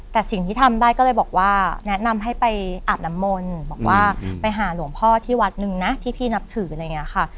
แต่สิ่งที่ทำได้ก็เลยบอกว่าแนะนำให้ไปอาบน้ำมนต์บอกว่าไปหาหลวงพ่อที่วัดนึงนะที่พี่นับถืออะไรอย่างนี้ค่ะ